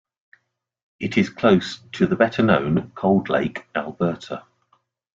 It is close to the better known Cold Lake, Alberta.